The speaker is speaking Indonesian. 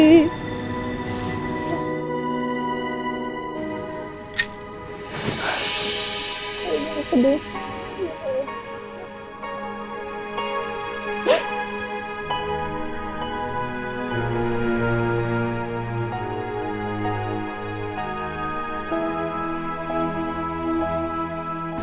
tidak ada yang sedih sah